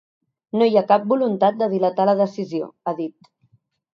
No hi cap voluntat de dilatar la decisió, ha dit.